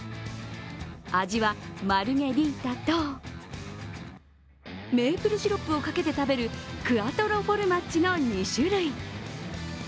味はマルゲリータと、メープルシロップをかけて食べるクワトロフォルマッジの２種類。